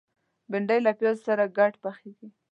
بېنډۍ له پیازو سره ګډه پخېږي